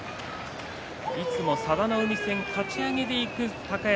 いつも佐田の海戦かち上げでいく高安